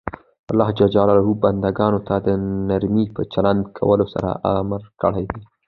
الله ج بنده ګانو ته د نرمۍ په چلند کولو سره امر کړی ده.